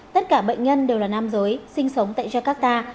tất cả bệnh nhân đều là nam giới sinh sống tại jakarta